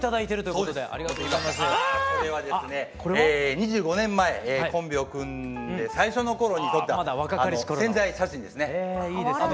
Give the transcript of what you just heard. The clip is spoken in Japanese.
２５年前コンビを組んで最初の頃に撮った宣材写真ですね。